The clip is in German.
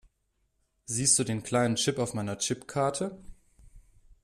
Siehst du den kleinen Chip auf meiner Chipkarte?